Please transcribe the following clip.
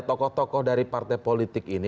tokoh tokoh dari partai politik ini